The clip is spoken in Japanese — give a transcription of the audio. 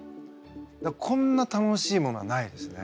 こんな楽しいものはないですね。